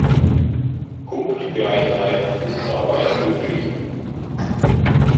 Punktgleichheit ist dabei möglich.